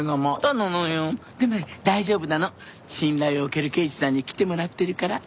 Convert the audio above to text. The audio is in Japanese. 信頼を置ける刑事さんに来てもらってるから。